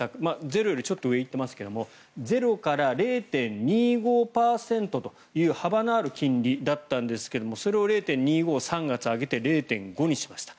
ゼロよりちょっと上、行っていますがゼロから０．２５％という幅のある金利だったんですがそれを０．２５３月上げて０．５にしました。